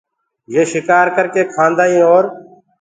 يي شڪآر ڪرڪي کآدآئينٚ اور